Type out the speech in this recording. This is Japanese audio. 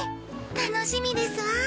楽しみですわ。